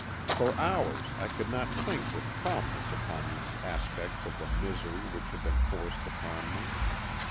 for hours I could not think with calmness upon these aspects of the misery which had been forced upon me.